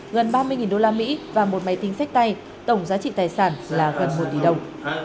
gần ba mươi đô la mỹ và một máy tính sách tay tổng giá trị tài sản là gần một tỷ đồng